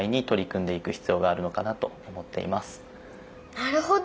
なるほど！